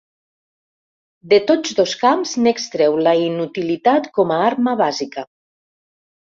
De tots dos camps n'extreu la inutilitat com a arma bàsica.